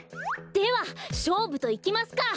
ではしょうぶといきますか！